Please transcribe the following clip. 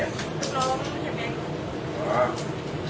อันนี้มันจะเจ็บไง